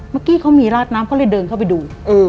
เมื่อกี้เขามีราดน้ำเขาเลยเดินเข้าไปดู